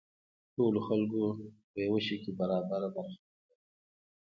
ټولو خلکو په یو شي کې برابره برخه درلوده.